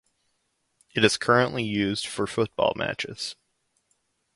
It is currently used for football matches.